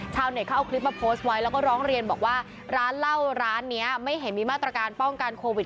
ชาวเน็ตเขาเอาคลิปมาโพสต์ไว้แล้วก็ร้องเรียนบอกว่าร้านเหล้าร้านนี้ไม่เห็นมีมาตรการป้องกันโควิด